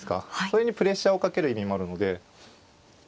それにプレッシャーをかける意味もあるので。